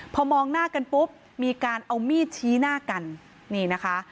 พอมองหน้ากันปุ๊บมีการเอามีดชี้หน้ากันนี่นะคะ